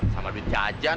sama duit jajan